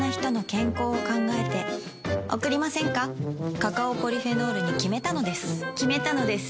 カカオポリフェノールに決めたのです決めたのです。